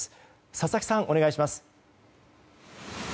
佐々木さん、お願いします。